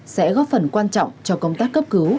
sẽ góp phần quan trọng cho công tác cấp cứu